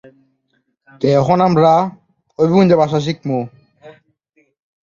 রানা আইয়ুব ভারতের মুম্বাইয়ে জন্মগ্রহণ করেছিলেন।